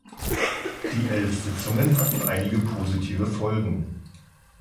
Die elf Sitzungen hatten einige positive Folgen.